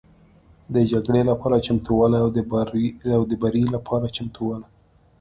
د جګړې لپاره چمتووالی او د بري لپاره چمتووالی